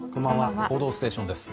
「報道ステーション」です。